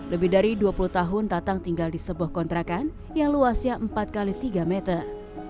lebih dari dua puluh tahun tatang tinggal di sebuah kontrakan yang luasnya empat x tiga meter